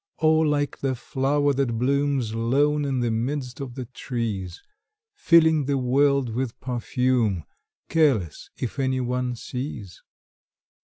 Or, like the flower that blooms Lone in the midst of the trees, Filling the world with perfume, Careless if anyone sees.